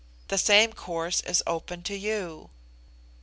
The same course is open to you."